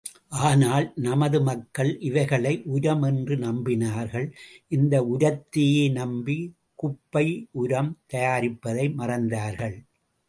ஆனால் நமது மக்கள் இவைகளை உரம் என்று நம்பினார்கள் இந்த உரத்தையே நம்பி, குப்பை உரம் தயாரிப்பதை மறந்தார்கள்.